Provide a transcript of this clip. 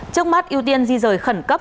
trước mắt ưu tiên di rời khẩn cấp